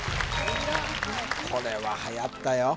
これははやったよ